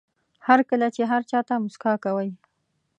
هر کله چې هر چا ته موسکا کوئ.